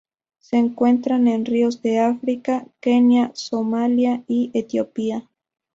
Se encuentran en ríos de África: Kenia, Somalia y Etiopía.